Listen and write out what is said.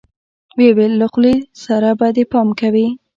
ويې ويل له خولې سره به دې پام کوې.